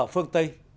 ở phương tây